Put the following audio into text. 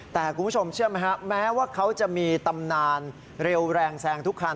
แต่คุณผู้ชมเชื่อไหมฮะแม้ว่าเขาจะมีตำนานเร็วแรงแซงทุกคัน